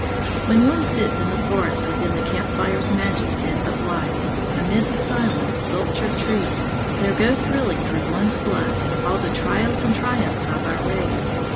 When one sits in the forest within the camp fire's magic tent of light, amid the silent, sculptured trees, there go thrilling through one's blood all the trials and triumphs of our race.